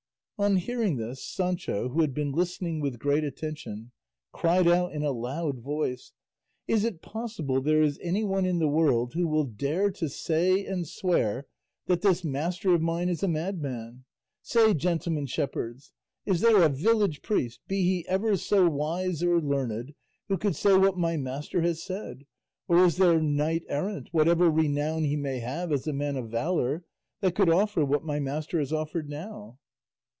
On hearing this Sancho, who had been listening with great attention, cried out in a loud voice, "Is it possible there is anyone in the world who will dare to say and swear that this master of mine is a madman? Say, gentlemen shepherds, is there a village priest, be he ever so wise or learned, who could say what my master has said; or is there knight errant, whatever renown he may have as a man of valour, that could offer what my master has offered now?"